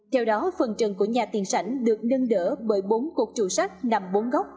theo đó phần trần của nhà tiền sảnh được nâng đỡ bởi bốn cột trụ sắt nằm bốn góc